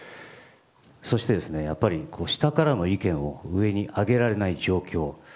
そして、やっぱり下からの意見を上に上げられない状況